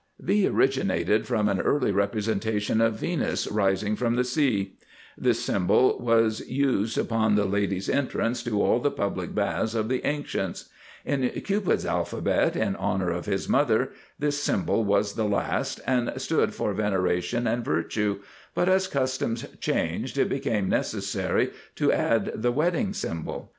V [Illustration: V] originated from an early representation of Venus rising from the sea. This symbol was used upon the "Ladies' Entrance" to all the public baths of the ancients. In Cupid's Alphabet, in honor of his mother, this symbol was the last and stood for Veneration and Virtue, but as customs changed it became necessary to add the Wedding symbol.